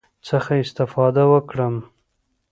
څخه استفاده وکړم،